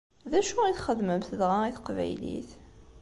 D acu i txedmemt dɣa i teqbaylit?